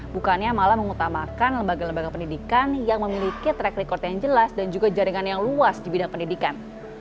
bukannya malah mengutamakan lembaga lembaga pendidikan yang memiliki track record yang jelas dan juga jaringan yang luas di bidang pendidikan